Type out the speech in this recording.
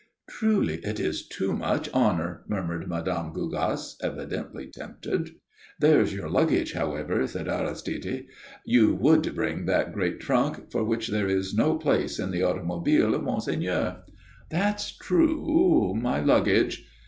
"Truly, it is too much honour," murmured Mme. Gougasse, evidently tempted. "There's your luggage, however," said Aristide. "You would bring that great trunk, for which there is no place in the automobile of monseigneur." "That's true my luggage."